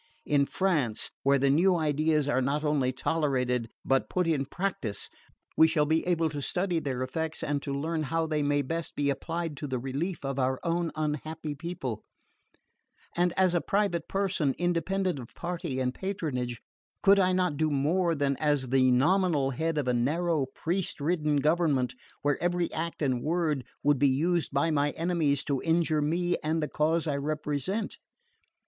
In France, where the new ideas are not only tolerated but put in practice, we shall be able to study their effects and to learn how they may best be applied to the relief of our own unhappy people; and as a private person, independent of party and patronage, could I not do more than as the nominal head of a narrow priest ridden government, where every act and word would be used by my enemies to injure me and the cause I represent?"